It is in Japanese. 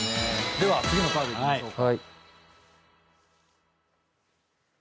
では次のカードいきましょうか。